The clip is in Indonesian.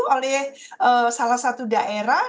oleh salah satu daerah